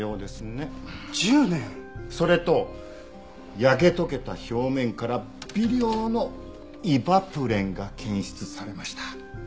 それと焼け溶けた表面から微量のイバプレンが検出されました。